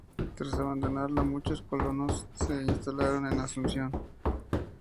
Tras abandonarla, muchos colonos en se instalaron en Asunción.